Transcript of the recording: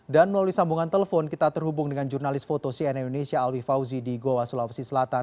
dan melalui sambungan telepon kita terhubung dengan jurnalis foto cnn indonesia alwi fauzi di goa sulawesi selatan